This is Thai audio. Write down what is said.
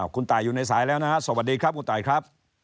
คุณตายอยู่ในสายแล้วนะฮะสวัสดีครับคุณตายครับ